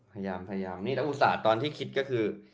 พยายามพยายามนี่แล้วอุตส่าห์ตอนที่คิดก็คือ